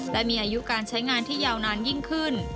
และมีอายุการใช้งานที่ยาวนานยิ่งขึ้น